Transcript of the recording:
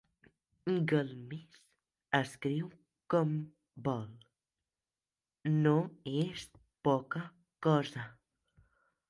Galmés escriu com vol. No és poca cosa.